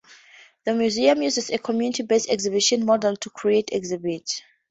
The museum uses a community-based exhibition model to create exhibits.